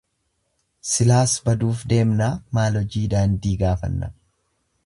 Silaas baduuf deemnaa maal hojii daandii gaafanna.